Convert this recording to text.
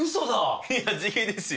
いや地毛ですよ。